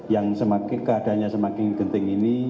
yang keadaannya semakin genting ini